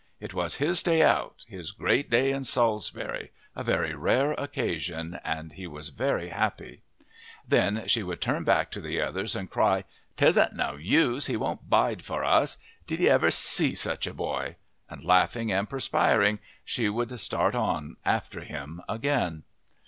It was his day out, his great day in Salisbury, a very rare occasion, and he was very happy. Then she would turn back to the others and cry, "'Tisn't no use, he won't bide for us did 'ee ever see such a boy!" and laughing and perspiring she would start on after him again.